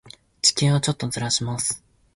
地球をちょっとずらします。